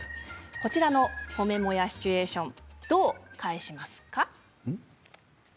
こちらの褒めモヤシチュエーションどう返しますか。